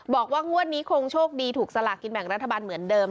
บอกว่างวดนี้คงโชคดีถูกสลากินแบ่งรัฐบาลเหมือนเดิม